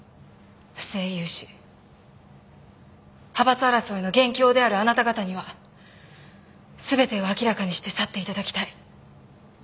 不正融資派閥争いの元凶であるあなた方には全てを明らかにして去って頂きたい。